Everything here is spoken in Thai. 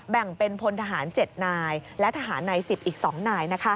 แบ่งเป็นพลทหาร๗นายและทหารใน๑๐อีก๒นาย